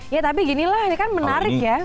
ya tapi ginilah ini kan menarik ya